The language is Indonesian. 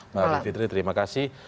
b fitri terima kasih